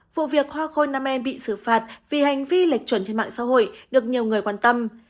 vụ việc hoa khôi nam em bị xử phạt vì hành vi lệch chuẩn trên mạng xã hội được nhiều người quan tâm